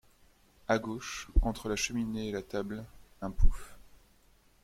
À gauche, entre la cheminée et la table, un pouff.